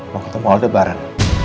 mau ketemu aldebaran